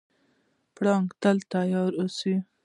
پړانګ تل تیار اوسي.